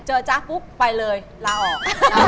จ๊ะปุ๊บไปเลยลาออก